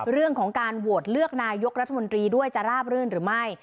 เรื่องของการโหวตเลือกนายกรัฐมนตรีด้วยจะราบรื่นหรือไม่